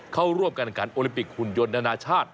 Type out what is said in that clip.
เขาร่วมกันกันการโอลิมปิกหุ่นยนต์นานาชาติ